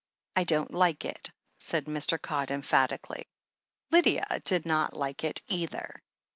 I don't like it/' said Mr. Codd emphatically. Lydia did not like it either.